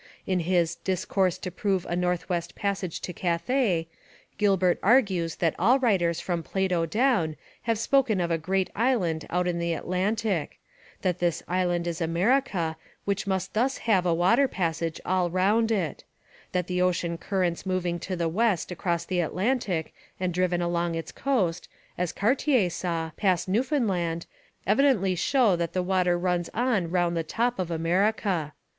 In his Discourse to prove a North West Passage to Cathay, Gilbert argues that all writers from Plato down have spoken of a great island out in the Atlantic; that this island is America which must thus have a water passage all round it; that the ocean currents moving to the west across the Atlantic and driven along its coast, as Cartier saw, past Newfoundland, evidently show that the water runs on round the top of America.